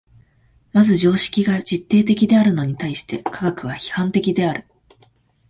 まず常識が実定的であるに対して科学は批判的である。